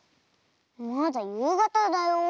まだゆうがただよ。